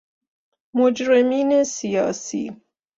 مجرمین سیاسی